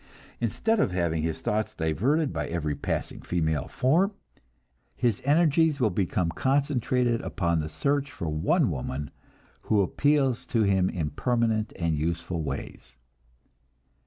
Instead of having his thoughts diverted by every passing female form, his energies will become concentrated upon the search for one woman who appeals to him in permanent and useful ways.